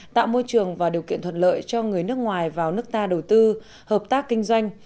tạo môi trường và điều kiện thuận lợi cho người nước ngoài vào nước ta đầu tư hợp tác kinh doanh